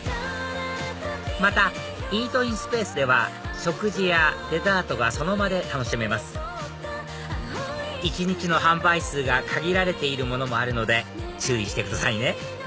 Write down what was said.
またイートインスペースでは食事やデザートがその場で楽しめます一日の販売数が限られているものもあるので注意してくださいね